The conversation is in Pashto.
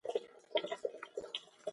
غوښتنې نتیجه ورنه کړه.